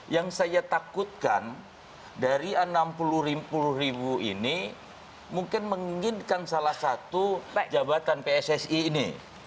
yang saya takutkan dari enam puluh ribu ini mungkin menginginkan salah satu jabatan pssi ini